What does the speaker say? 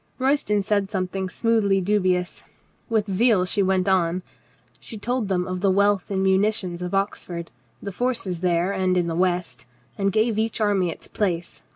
Royston said something smoothly dubious. With zeal she went on. She told them of the wealth and munitions of Oxford, the forces there and in the west, and gave each army its place.